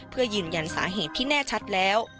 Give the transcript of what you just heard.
เพื่อยืนยันสาเหตุที่แน่ชัดแล้ว